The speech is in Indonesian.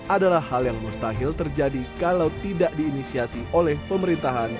adalah hal yang mustahil terjadi kalau tidak diinisiasi oleh pemerintahan